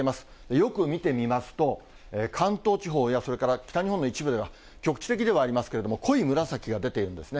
よく見てみますと、関東地方やそれから北日本の一部では、局地的ではありますけれども、濃い紫が出ているんですね。